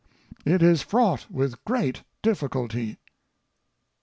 It is fraught with great difficulty.